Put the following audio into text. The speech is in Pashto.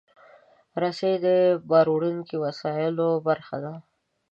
رسۍ د باروړونکو وسایلو برخه ده.